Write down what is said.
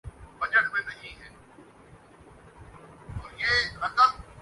لوگوں کے ارد گرد بے چینی محسوس کرتا ہوں